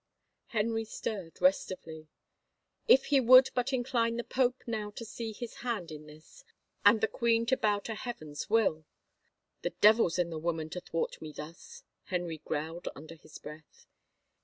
Henry stirred restively. " If He would but incline the pope now to see His hand in this, and the queen to bow to Heaven's will 1 "" The devil's in the woman to thwart me thus," Henry growled under his breath.